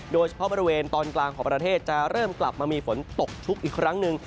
โดยเฉพาะบริเวณตอนกลางของประเทศจะเริ่มกลับมามีฝนตกชุกอีกครั้งหนึ่ง